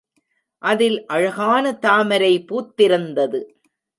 அதில் அழகான தாமரை பூத்திருந்தது.